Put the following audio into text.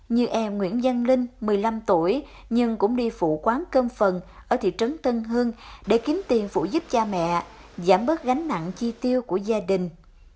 như em nguyễn văn linh một mươi năm tuổi nhưng cũng đi phụ quán cơm phần ở thị trấn tân hương để kiếm tiền phụ giúp cha mẹ giảm bớt gánh nặng chi tiêu của gia đình